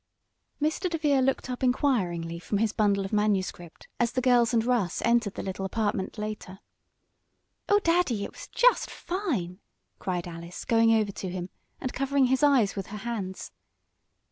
Mr. DeVere looked up inquiringly from his bundle of manuscript as the girls and Russ entered the little apartment later. "Oh, Daddy! It was just fine!" cried Alice, going over to him, and covering his eyes with her hands.